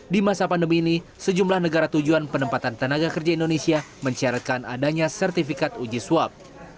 di masa pandemi ini sejumlah negara tujuan penempatan tenaga kerja indonesia mencaratkan adanya sertifikat uji swab